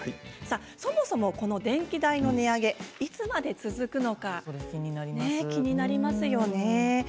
そもそも電気代の値上げがいつまで続くのか気になりますよね。